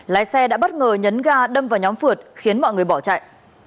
lái xe đã bất ngờ nhấn ga đâm vào nhóm phượt khiến mọi người bỏ chạy